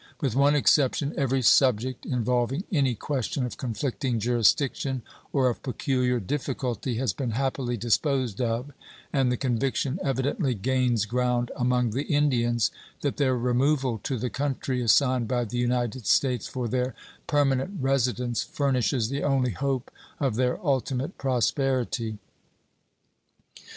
With one exception every subject involving any question of conflicting jurisdiction or of peculiar difficulty has been happily disposed of, and the conviction evidently gains ground among the Indians that their removal to the country assigned by the United States for their permanent residence furnishes the only hope of their ultimate prosperity.